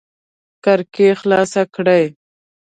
کړکۍ خلاص کړئ